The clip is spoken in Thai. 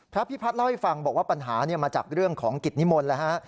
พระพิพัฒน์เล่าให้ฟังบอกว่าปัญหามาจากเรื่องของกิจนิมนต์แล้วฮะ